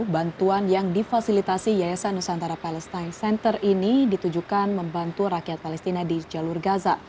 bantuan yang difasilitasi yayasan nusantara palestine center ini ditujukan membantu rakyat palestina di jalur gaza